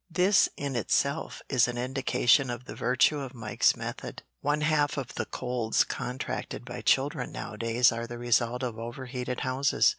This in itself is an indication of the virtue of Mike's method. One half of the colds contracted by children nowadays are the result of overheated houses.